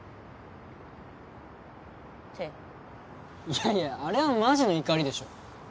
いやいやあれはマジの怒りでしょ。